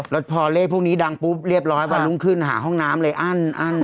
แล้วพอเลขพวกนี้ดังปุ๊บเรียบร้อยวันรุ่งขึ้นหาห้องน้ำเลยอั้นอั้น